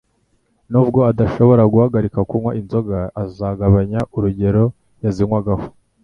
Nubwo adashobora guhagarika kunywa inzoga, azagabanya urugero yazinywagaho